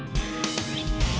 terima kasih chandra